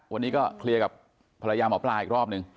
วันนี้ก็เคลียร์กับภรรยาหมอปลาอีกรอบหนึ่ง